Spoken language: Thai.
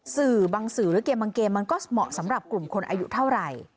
สื่อบางสื่อหรือเกมบางเกมมันก็เหมาะสำหรับกลุ่มคนอายุเท่าไหร่